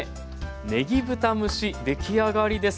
ねぎ豚蒸し出来上がりです。